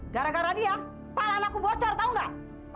gara gara dia pala anakku bocor tau gak